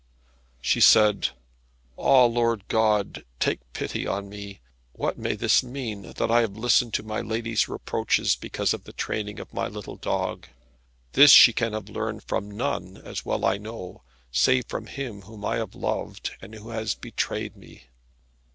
She said, "Ah, Lord God, take pity on me! What may this mean, that I have listened to my lady's reproaches because of the training of my little dog! This she can have learned from none as well I know save from him whom I have loved, and who has betrayed me.